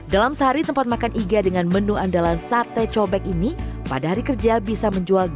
dalam sehari tempat makan iga dengan menu andalan sate cobek ini pada hari kerja bisa menjual